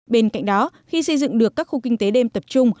bên cạnh đó khi xây dựng được các khu kinh tế đêm tập trung